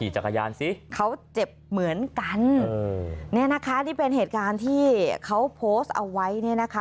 เจ็บเหมือนกันเนี่ยนะคะที่เป็นเหตุการณ์ที่เขาโพสต์เอาไว้เนี่ยนะคะ